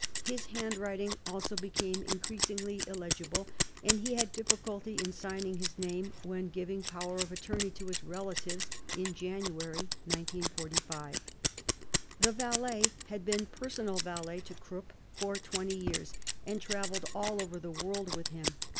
His handwriting also became increasingly illegible, and he had difficulty in signing his name when giving power of attorney to his relatives in January 1945. The valet had been personal valet to Krupp for 20 years, and traveled all over the world with him.